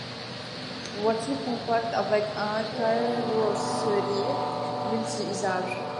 Voiture compacte avec une carrosserie multi-usages.